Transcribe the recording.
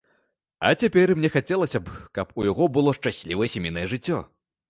А цяпер, мне хацелася б, каб у яго было шчаслівае сямейнае жыццё.